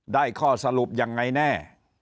ได้ข้อสรุปยังไงแน่